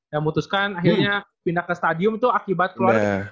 ya mutuskan akhirnya pindah ke stadium itu akibat keluarga